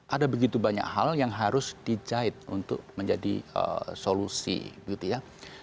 ada begitu banyak hal yang harus dijahit untuk menjadi solusi gitu ya